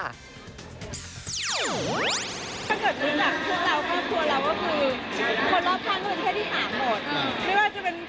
บางคนอาจจะแบบไม่ได้มาประสัตว์